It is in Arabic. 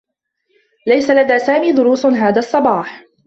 ليس لدى سامي دروس هذا الصّباح.